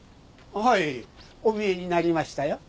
はいお見えになりましたよ。